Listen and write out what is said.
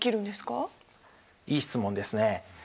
いい質問ですね。